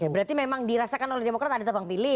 berarti memang dirasakan oleh demokrat ada tebang pilih